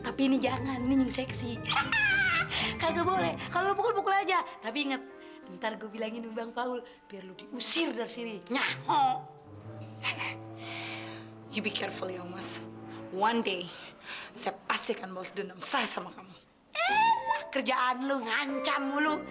tapi pada saat ini cavity sissy harus memberikanask australiaantu kami rakam kes suitable honor maupun dengan pembelajaran yang tidak menutur mudah untuk melakukan pertanyaan yang yang mendalam ujian baca ini